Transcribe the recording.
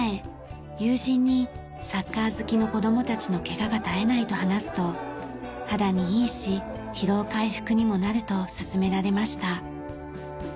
友人にサッカー好きの子供たちのケガが絶えないと話すと肌にいいし疲労回復にもなると勧められました。